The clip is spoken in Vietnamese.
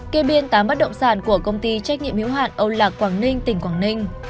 kê biên tám bắt động sản của công ty trách nhiệm hữu hạn âu lạc quảng ninh tỉnh quảng ninh